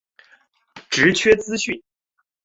职缺资讯